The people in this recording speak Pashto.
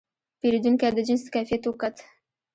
پیرودونکی د جنس کیفیت وکت.